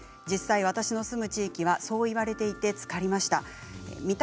私の住む地域はそう言われていて水につかりました。